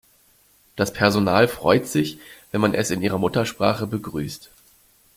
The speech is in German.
Das Personal freut sich, wenn man es in ihrer Muttersprache begrüßt.